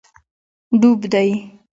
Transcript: ډوب دی